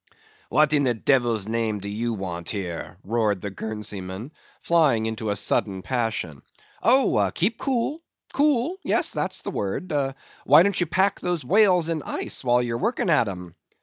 "What in the devil's name do you want here?" roared the Guernseyman, flying into a sudden passion. "Oh! keep cool—cool? yes, that's the word! why don't you pack those whales in ice while you're working at 'em?